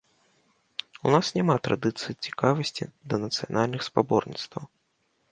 У нас няма традыцыі цікавасці да нацыянальных спаборніцтваў.